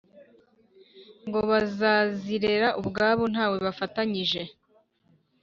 Ngo bazirera ubwabo ntawe bafatanyije